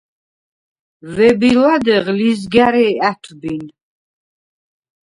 ვები ლადეღ ლიზგა̈რი ა̈თვბინ;